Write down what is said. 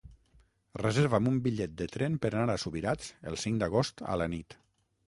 Reserva'm un bitllet de tren per anar a Subirats el cinc d'agost a la nit.